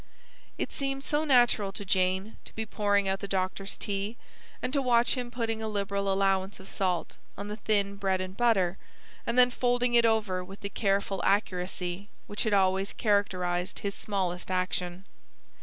It seemed so natural to Jane to be pouring out the doctor's tea, and to watch him putting a liberal allowance of salt on the thin bread and butter, and then folding it over with the careful accuracy which had always characterised his smallest action.